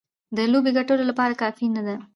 د لوبې ګټلو لپاره کافي نه دي.